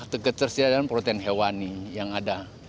ketersediaan protein hewani yang ada